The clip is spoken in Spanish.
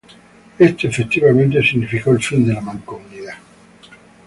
Esto, efectivamente, significó el fin de la Mancomunidad.